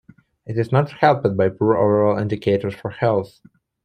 It is not helped by poor overall indicators for health.